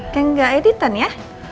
kayak gak editan ya